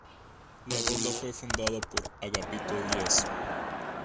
La ronda fue fundada por Agapito Díez.